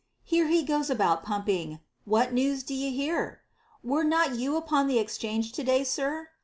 Here he goes about pumping, What news d'ye hear? Were not you upon the exchange to day, sir?